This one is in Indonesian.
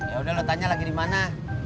ya udah lo tanya lagi dimana